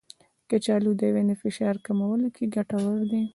کچالو د وینې فشار کمولو کې ګټور دی.